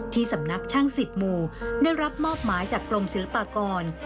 ที่สำนักช่าง๑๐หมู่ได้รับมอบหมายจากกรมศิลปากร